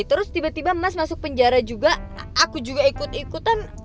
terus tiba tiba mas masuk penjara juga aku juga ikut ikutan